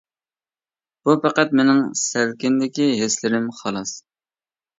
بۇ پەقەت مىنىڭ سەلكىندىكى ھېسلىرىم خالاس!